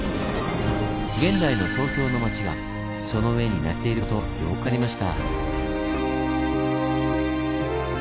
現代の東京の町がその上に成り立っていることよく分かりました。